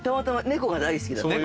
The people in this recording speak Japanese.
猫が大好きだって。